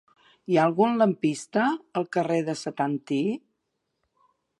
Hi ha algun lampista al carrer de Setantí?